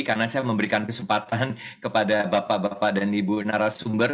karena saya memberikan kesempatan kepada bapak bapak dan ibu narasumber